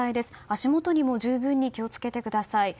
足元にも十分に気を付けてください。